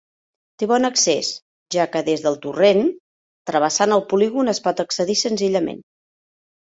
Té bon accés, ja que des de Torrent, travessant el polígon es pot accedir senzillament.